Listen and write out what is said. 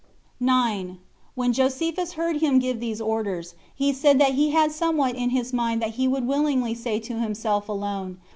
5 9. When Josephus heard him give those orders, he said that he had somewhat in his mind that he would willingly say to himself alone.